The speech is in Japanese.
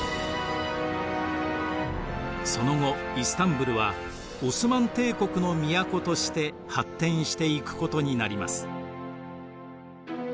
その後イスタンブルはオスマン帝国の都として発展していくことになります。